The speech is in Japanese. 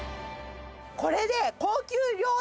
これで。